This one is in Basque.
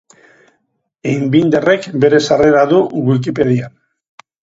Einbinderrek bere sarrera du Wikipedian.